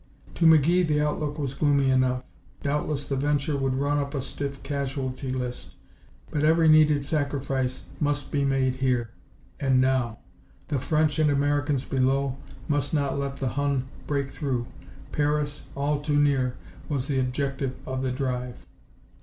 To McGee the outlook was gloomy enough. Doubtless the venture would run up a stiff casualty list, but every needed sacrifice must be made here! And now! The French and Americans below must not let the Hun break through. Paris, all too near, was the objective of the drive.